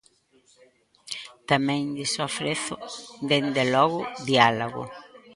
Tamén lles ofrezo, dende logo, diálogo.